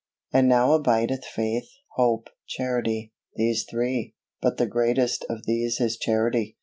And now abideth faith, hope, charity, these three; but the greatest of these is charity.